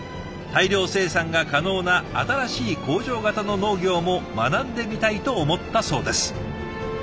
大量生産が可能な新しい工場型の農業も学んでみたいと思ったそうです。